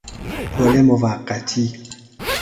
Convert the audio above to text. پل موقتی